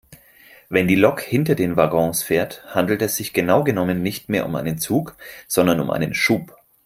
Wenn die Lok hinter den Waggons fährt, handelt es sich genau genommen nicht mehr um einen Zug sondern um einen Schub.